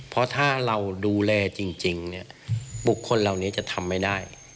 เพราะถ้าเราดูแลจริงเนี่ยบุคคลเหล่านี้จะทำไม่ได้